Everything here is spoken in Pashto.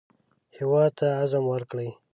هېواد ته عزم ورکړئ